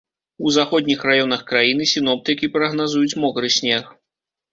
У заходніх раёнах краіны сіноптыкі прагназуюць мокры снег.